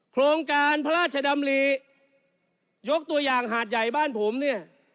โครงการพระราชดำริยกตัวอย่างหาดใหญ่บ้านผมเนี่ย